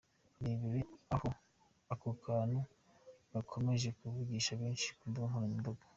Irebere ako kantu gakomeje kuvugisha benshi ku mbuga nkoranyambaga .